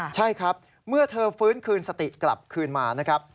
ใช่ครับเมื่อเธอฟื้นคืนสติกลับคืนมานะครับ